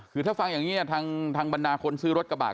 คือถ้าฟังอย่างนี้เนี่ยทางบรรดาคนซื้อรถกระบาด